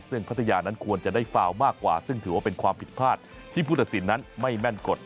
ซึ่งพัทยานั้นควรจะได้ฟาวมากกว่าซึ่งถือว่าเป็นความผิดพลาดที่ผู้ตัดสินนั้นไม่แม่นกฎ